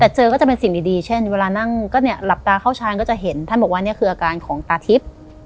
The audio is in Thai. แต่เจอก็จะเป็นสิ่งดีเช่นเวลานั่งก็เนี่ยหลับตาเข้าชาญก็จะเห็นท่านบอกว่านี่คืออาการของตาทิพย์